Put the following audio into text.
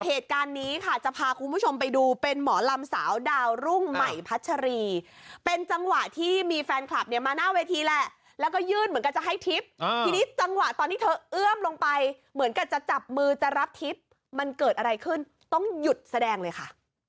เหตุการณ์นี้ค่ะจะพาคุณผู้ชมไปดูเป็นหมอลำสาวดาวรุ่งใหม่พัชรีเป็นจังหวะที่มีแฟนคลับเนี่ยมาหน้าเวทีแหละแล้วก็ยื่นเหมือนกันจะให้ทิพย์ทีนี้จังหวะตอนที่เธอเอื้อมลงไปเหมือนกับจะจับมือจะรับทิพย์มันเกิดอะไรขึ้นต้องหยุดแสดงเลยค่ะ